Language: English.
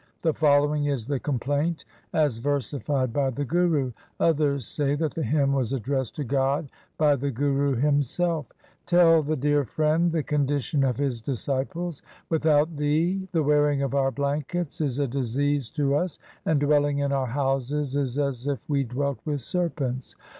The following is the complaint as versified by the Guru. Others say that the hymn was addressed to God by the Guru himself :— Tell the dear Friend the condition of His disciples— Without Thee the wearing of our blankets is a disease to us, and dwelling in our houses is as if we dwelt with serpents.